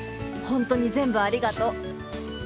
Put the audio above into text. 本当に全部ありがとう。